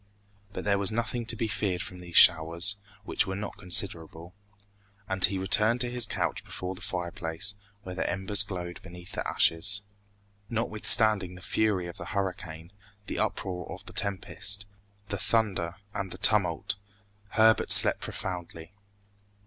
But there was nothing to be feared from these showers, which were not considerable, and he returned to his couch before the fireplace, where the embers glowed beneath the ashes. Notwithstanding the fury of the hurricane, the uproar of the tempest, the thunder, and the tumult, Herbert slept profoundly.